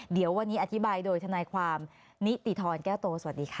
เดี๋ยววันนี้อธิบายโดยทนายความนิติธรแก้วโตสวัสดีค่ะ